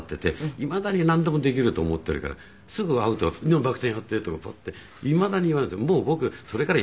いまだになんでもできると思っているからすぐ会うと「バク転やって」とかパッていまだに言われるんですよ。